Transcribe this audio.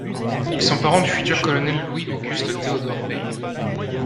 Ils sont parents du futur colonel Louis Auguste Théodore Pein.